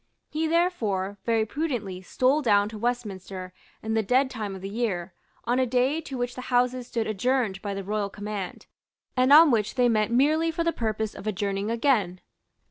He therefore, very prudently, stole down to Westminster, in the dead time of the year, on a day to which the Houses stood adjourned by the royal command, and on which they met merely for the purpose of adjourning again.